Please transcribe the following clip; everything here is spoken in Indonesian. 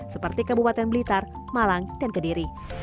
seperti kabupaten blitar malang dan kediri